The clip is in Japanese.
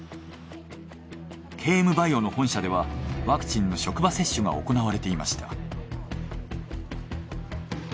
ＫＭバイオの本社ではワクチンの職場接種が行われていました。